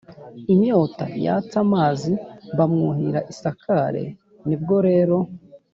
inyota, yatse amazi bamwuhira isakare ! n i bwo rero